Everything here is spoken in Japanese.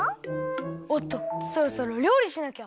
おっとそろそろりょうりしなきゃ。